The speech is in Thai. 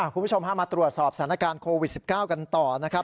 คุณผู้ชมพามาตรวจสอบสถานการณ์โควิด๑๙กันต่อนะครับ